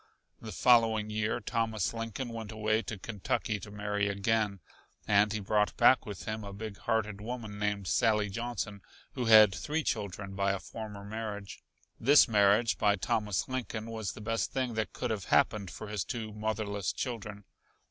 The following year Thomas Lincoln went away to Kentucky to marry again, and he brought back with him a big hearted woman named Sally Johnson, who had three children by a former marriage. This marriage by Thomas Lincoln was the best thing that could have happened for his two motherless children.